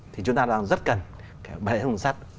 thì chúng ta đang rất cần cái hệ thống sắt